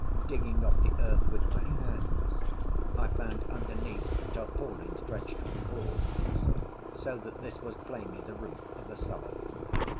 Digging off the earth with my hands, I found underneath tarpaulin stretched on boards, so that this was plainly the roof of a cellar.